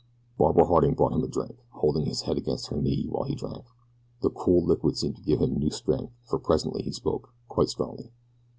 Barbara Harding brought him a drink, holding his head against her knee while he drank. The cool liquid seemed to give him new strength for presently he spoke, quite strongly.